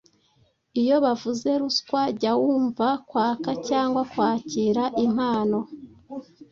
Iyo bavuze ruswa jya wumva kwaka cyangwa kwakira impano,